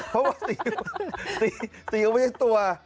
เพราะว่าตีเอาไม่ใช่ตัว